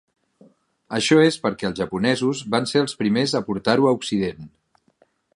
Això és perquè els japonesos van ser els primers a portar-ho a Occident.